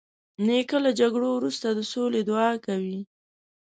نیکه له جګړو وروسته د سولې دعا کوي.